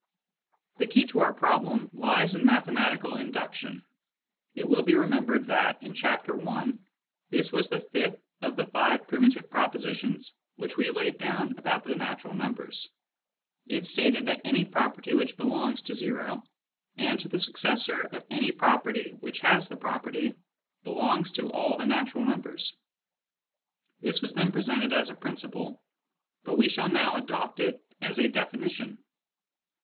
The key to our problem lies in mathematical induction. It will be remembered that, in Chapter I., this was the fifth of the five primitive propositions which we laid down about the natural numbers. It stated that any property which belongs to o, and to the successor of any number which has the property, belongs to all the natural numbers. This was then presented as a principle, but we shall now adopt it as a definition.